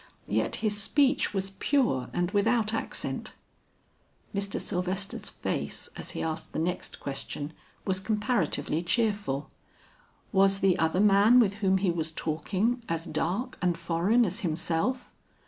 Yet his speech was pure and without accent." Mr. Sylvester's face as he asked the next question was comparatively cheerful. "Was the other man with whom he was talking, as dark and foreign as himself?"